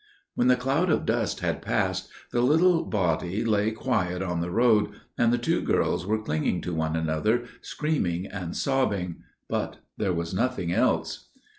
"When the cloud of dust had passed, the little body lay quiet on the road, and the two girls were clinging to one another, screaming and sobbing, but there was nothing else.